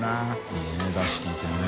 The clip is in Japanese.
いいだしきいてね。